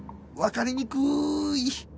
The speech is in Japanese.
わかりにくい